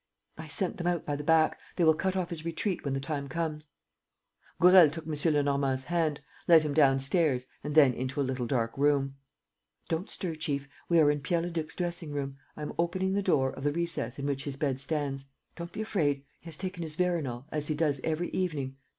"I sent them out by the back. They will cut off his retreat when the time comes." Gourel took M. Lenormand's hand, led him downstairs and then into a little dark room: "Don't stir, chief; we are in Pierre Leduc's dressing room. I am opening the door of the recess in which his bed stands. ... Don't be afraid ... he has taken his veronal as he does every evening